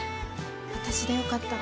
私でよかったら。